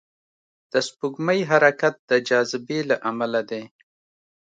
د سپوږمۍ حرکت د جاذبې له امله دی.